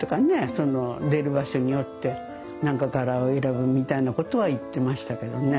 その出る場所によってなんか柄を選ぶみたいなことは言ってましたけどね。